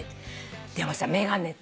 でもさ眼鏡ってさ